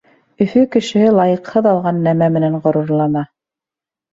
Өфө кешеһе лайыҡһыҙ алған нәмә менән ғорурлана.